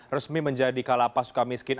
resmi menjadi kalapas suka miskin